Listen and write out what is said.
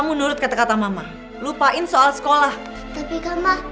surat peringatan tunggakan spp